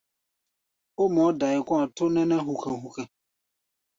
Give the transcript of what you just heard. Ó mɔ́-dai kɔ̧́-a̧ tó nɛ́nɛ́ hukɛ-hukɛ.